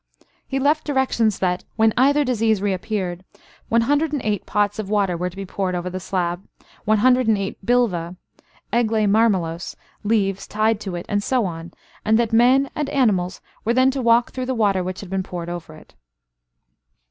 He left directions that, when either disease reappeared, 108 pots of water were to be poured over the slab, 108 bilva (Ægle Marmelos) leaves tied to it and so on, and that men and animals were then to walk through the water which had been poured over it."